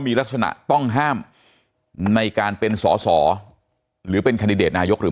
มีลักษณะต้องห้ามในการเป็นสอสอหรือเป็นคันดิเดตนายกหรือ